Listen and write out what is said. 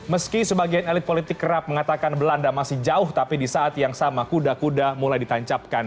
meski sebagian elit politik kerap mengatakan belanda masih jauh tapi di saat yang sama kuda kuda mulai ditancapkan